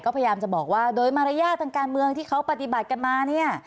ก็พยายามจะบอกว่าโดยมารยาททางการเมืองที่เขาปฏิบัติกันมาเนี่ย